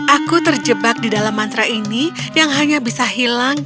aku terjebak di dalam mantra ini yang hanya bisa hilang